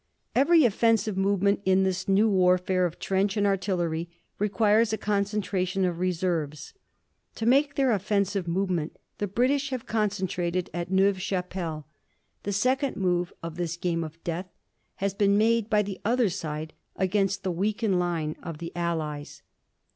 Every offensive movement in this new warfare of trench and artillery requires a concentration of reserves. To make their offensive movement the British have concentrated at Neuve Chapelle. The second move of this game of death has been made by the other side against the weakened line of the Allies.